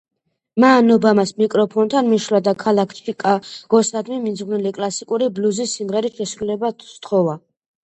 მან ობამას მიკროფონთან მისვლა და ქალაქ ჩიკაგოსადმი მიძღვნილი კლასიკური ბლუზის სიმღერის შესრულება სთხოვა.